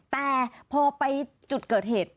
แต่พอไปจุดเกิดเหตุ